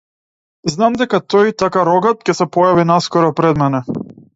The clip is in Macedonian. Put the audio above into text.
Знам дека тој така рогат ќе се појави наскоро пред мене.